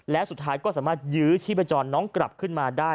และสุดท้ายก็สามารถยื้อชีพจรน้องกลับขึ้นมาได้